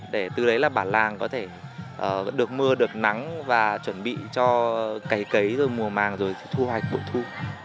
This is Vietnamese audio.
để từ đấy là bản làng có thể được mưa được nắng và chuẩn bị cho cấy cấy rồi mùa màng rồi thu hoài cuộc thu